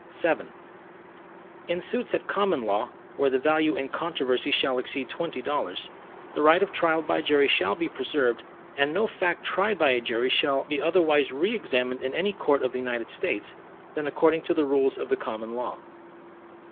VII In suits at common law, where the value in controversy shall exceed twenty dollars, the right of trial by jury shall be preserved, and no fact tried by a jury shall be otherwise re examined in any court of the United States, than according to the rules of the common law.